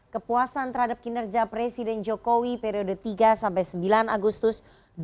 kepuasan terhadap kinerja presiden jokowi periode tiga sampai sembilan agustus dua ribu dua puluh